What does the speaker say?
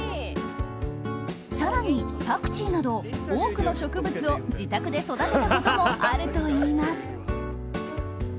更に、パクチーなど多くの植物を自宅で育てたこともあるといいます。